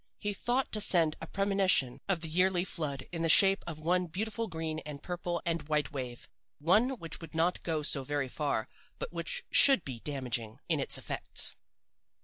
He thought to send a premonition of the yearly flood in the shape of one beautiful green and purple and white wave, one which would not go so very far but which should be damaging in its effects.